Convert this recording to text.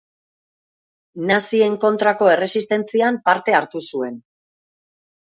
Nazien kontrako erresistentzian parte hartu zuen.